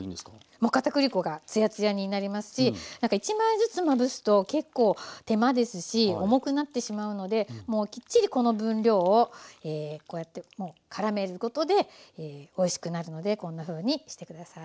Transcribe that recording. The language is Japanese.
もう片栗粉がつやつやになりますしなんか１枚ずつまぶすと結構手間ですし重くなってしまうのでもうきっちりこの分量をこうやってからめることでおいしくなるのでこんなふうにして下さい。